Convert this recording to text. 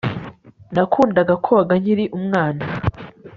Nakundaga koga nkiri umwana